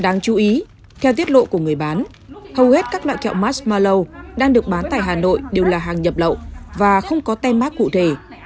đáng chú ý theo tiết lộ của người bán hầu hết các loại kẹo masmalow đang được bán tại hà nội đều là hàng nhập lậu và không có tem mát cụ thể